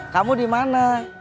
kamu di mana